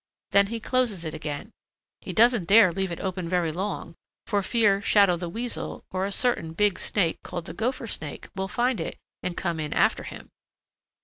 Then he closes it again. He doesn't dare leave it open very long, for fear Shadow the Weasel or a certain big Snake called the Gopher Snake will find it and come in after him.